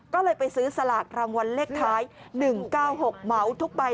ก็เลยไปซื้อสลากรางวัลเลขท้าย๑๙๖เหมาทุกใบ